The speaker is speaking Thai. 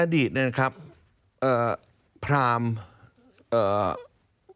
ในอดีตเพราหมณ์